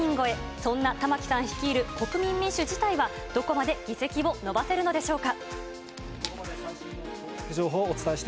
そんな玉木さん率いる国民民主自体は、どこまで議席を伸ばせるのでしょうか。